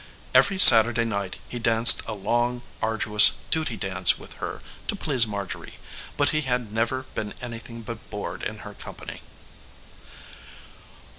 Every Saturday night he danced a long arduous duty dance with her to please Marjorie, but he had never been anything but bored in her company.